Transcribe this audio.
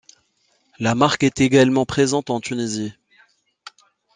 La marque est également présente en Tunisie.